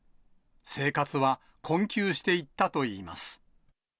生活は困窮していったといいます。